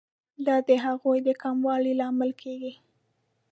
دا د هغوی د کموالي لامل کیږي.